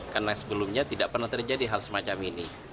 karena sebelumnya tidak pernah terjadi hal semacam ini